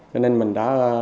cho nên mình đã tự nhiên